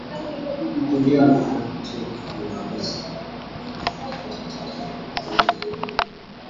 Mkulima anatakiwa kufanya maamuzi kama atataka kutumia dalali